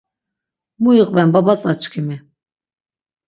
Mu iqven babatzaçkimi.